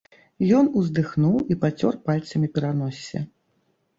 Ён уздыхнуў і пацёр пальцамі пераноссе.